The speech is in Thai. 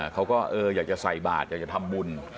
เขาก็อยากจะใส่บาทอยากจะทำบุญ